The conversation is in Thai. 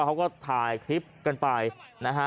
เขาก็ถ่ายคลิปกันไปนะฮะ